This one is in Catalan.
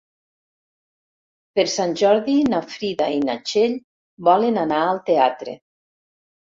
Per Sant Jordi na Frida i na Txell volen anar al teatre.